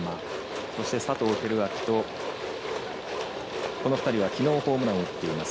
そして佐藤輝明とこの２人はきのうホームランを打っています。